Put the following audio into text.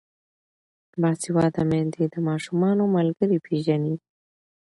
باسواده میندې د ماشومانو ملګري پیژني.